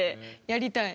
やりたい。